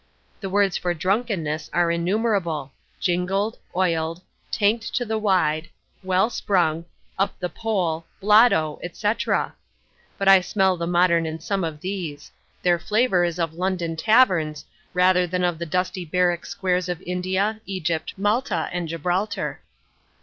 The words for drunkenness are innumerable "jingled," "oiled," "tanked to the wide," "well sprung," "up the pole," "blotto," etc.; but I smell the modern in some of these; their flavour is of London taverns rather than of the dusty barrack squares of India, Egypt, Malta, and Gibraltar.